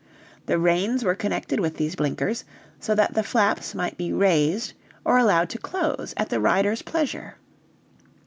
The reins were connected with these blinkers, so that the flaps might be raised or allowed to close at the rider's pleasure.